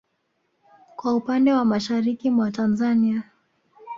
Kwa upande wa mashariki mwa Tanzania